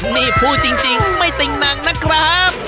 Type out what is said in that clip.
นี่พูดจริงไม่ติ่งหนังนะครับ